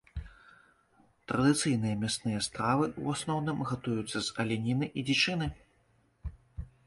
Традыцыйныя мясныя стравы, у асноўным, гатуюцца з аленіны і дзічыны.